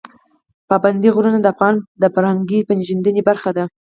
پابندی غرونه د افغانانو د فرهنګي پیژندنې برخه ده.